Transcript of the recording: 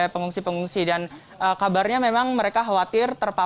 pemprov dki jakarta